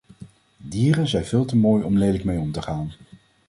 Dieren zijn veel te mooi om lelijk mee om te gaan.